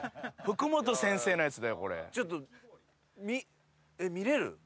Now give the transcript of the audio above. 福本先生のやつだよこれ。見れる？